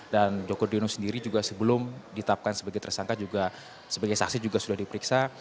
dan joko driono sendiri juga sebelum ditapkan sebagai tersangka juga sebagai saksi juga sudah diperiksa